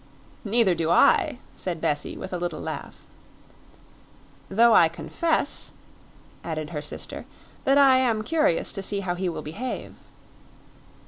"Neither do I," said Bessie with a little laugh. "Though I confess," added her sister, "that I am curious to see how he will behave."